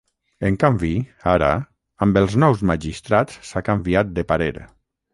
En canvi, ara, amb els nous magistrats s’ha canviat de parer.